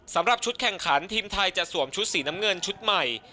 สำหรับชุดแข่งขันทีมไทยจะสวมชุดสีน้ำเงินชุดใหม่